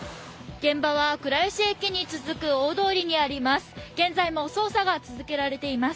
現場は、倉石駅に続く大通りにあります。